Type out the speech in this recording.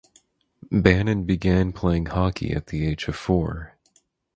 Bannon began playing hockey at the age of four.